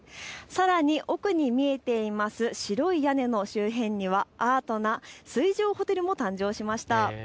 さらに奥に見えている白い屋根の周辺にはアートな水上ホテルも誕生しました。